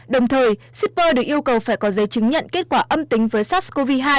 đồng thời shipper được yêu cầu phải có giấy chứng nhận kết quả âm tính với sars cov hai